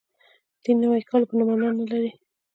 دین نوی کول بله معنا نه لري.